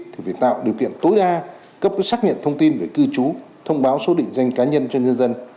thì phải tạo điều kiện tối đa cấp xác nhận thông tin về cư trú thông báo số định danh cá nhân cho nhân dân